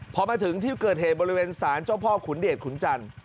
พอมาถึงที่เกิดเหตุบริเวณศาลเจ้าพ่อขุนเดชขุนจันทร์